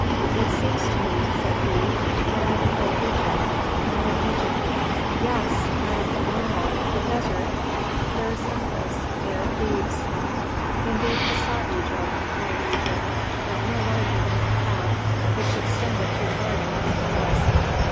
"It seems to me," said he, "that I behold Egypt all Egypt. Yes! that is the Nile the desert. Here is Memphis, there Thebes." Indeed he saw Egypt, all Egypt, but no larger than the path which extended through the garden of his palace.